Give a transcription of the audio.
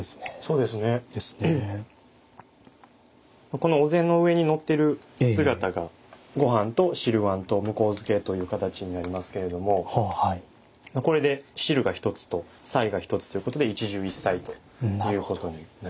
この御膳の上にのってる姿がご飯と汁碗と向付という形になりますけれどもこれで汁が一つと菜が一つということで一汁一菜ということになります。